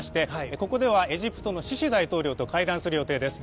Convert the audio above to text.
ここではエジプトのシシ大統領と会談する予定です。